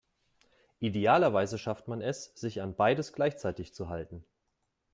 Idealerweise schafft man es, sich an beides gleichzeitig zu halten.